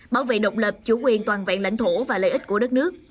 bảo vệ độc lập chủ quyền toàn vẹn lãnh thổ và lợi ích của đất nước